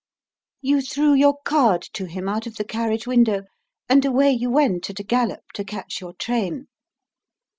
You threw your card to him out of the carriage window, and away you went at a gallop to catch your train.